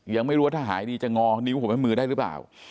ยังไม่รู้ว่าถ้าหายดีจะงอนิ้วผมให้มือได้หรือเปล่า